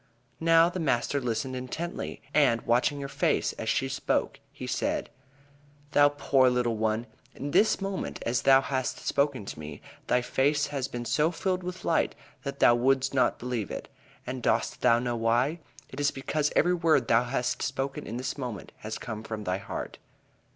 Now the master listened intently, and watching her face as she spoke, he said: "Thou poor little one, in this moment, as thou hast spoken to me, thy face has been so filled with light that thou wouldst not believe. And dost thou know why? It is because every word thou hast spoken in this moment has come from thy heart.